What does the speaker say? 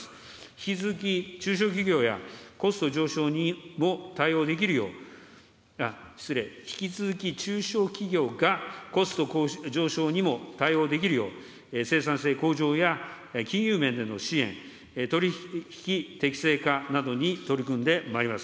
引き続き中小企業やコスト上昇にも対応できるよう、失礼、引き続き中小企業が、コスト上昇にも対応できるよう、生産性向上や、金融面での支援、取り引き適正化などに取り組んでまいります。